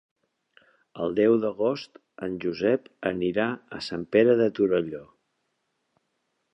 El deu d'agost en Josep anirà a Sant Pere de Torelló.